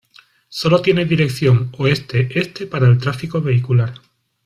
Sólo tiene dirección Oeste-Este para el tráfico vehicular.